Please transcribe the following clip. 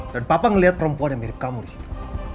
dan papa ngeliat perempuan yang mirip kamu di situ